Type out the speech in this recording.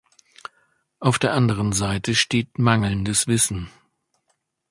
Auf der anderen Seite steht mangelndes Wissen.